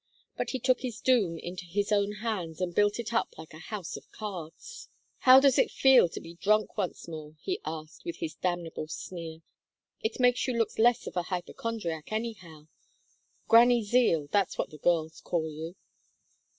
But he took his doom into his own hands and built it up like a house of cards. "'How does it feel to be drunk once more?' he asked, with his damnable sneer. 'It makes you look less of a hypochondriac, anyhow. "Granny Zeal" that's what the girls call you.'